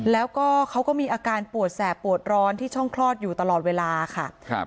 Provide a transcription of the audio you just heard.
แล้วก็เขาก็มีอาการปวดแสบปวดร้อนที่ช่องคลอดอยู่ตลอดเวลาค่ะครับ